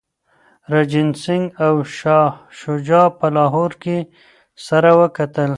رنجیت سنګ او شاه شجاع په لاهور کي سره وکتل.